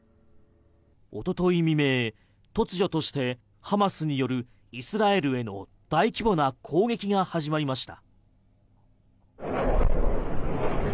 一昨日未明、突如としてハマスによるイスラエルへの大規模な攻撃が始まりました。